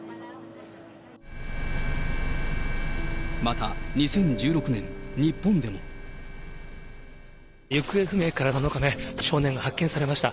また２０１６年、日本でも。行方不明から７日目、少年が発見されました。